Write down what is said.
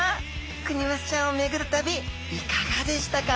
クニマスちゃんを巡る旅いかがでしたか？